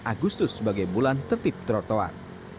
agustus sebagai bulan tertib trotoar